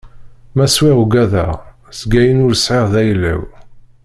Ma swiɣ ugadeɣ, seg ayen ur sɛiɣ d ayla-w.